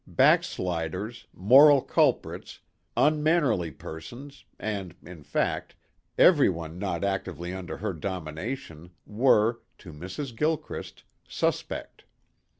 Backsliders, moral culprits, unmannerly persons and, in fact, everyone not actively under her domination were, to Mrs. Gilchrist, suspect.